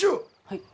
はい。